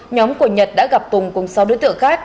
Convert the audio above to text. nhóm của nhật đã gặp tùng cùng sáu đối tượng khác